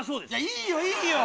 いいよいいよ！